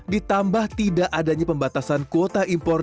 ditambah tidak adanya pembatasan kuota impor